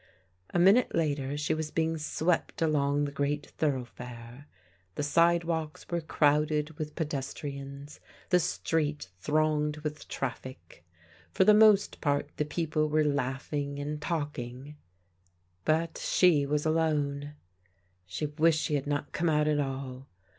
A minute later she was being swept along the great thoroughfare. The sidewalks were crowded with pedestrians, the street thronged with traffic. For the most part the people were laughing and talking, but she was alone. She wished she had not come out at all.